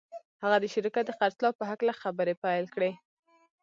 هغه د شرکت د خرڅلاو په هکله خبرې پیل کړې